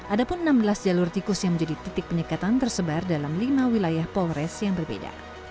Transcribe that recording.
ada pun enam belas jalur tikus yang menjadi titik penyekatan tersebar dalam lima wilayah polres yang berbeda